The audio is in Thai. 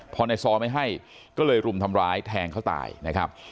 พอในซอไม่ให้ก็เลยรุมทำร้ายแทงเขาตายนะครับ